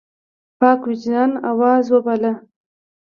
پاک وجدان آواز وباله.